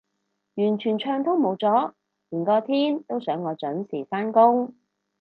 完全暢通無阻，連個天都想我準時返工